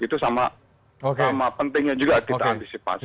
itu sama pentingnya juga kita antisipasi